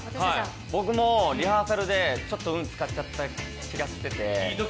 僕もリハーサルでちょっと運を使っちゃった気がしてて。